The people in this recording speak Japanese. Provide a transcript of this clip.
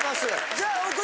じゃあ。